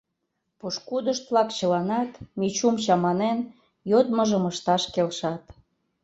Пошкудышт-влак чыланат, Мичум чаманен, йодмыжым ышташ келшат.